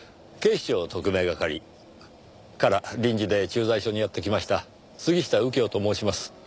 警視庁特命係から臨時で駐在所にやって来ました杉下右京と申します。